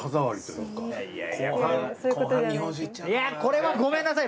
いやこれはごめんなさい。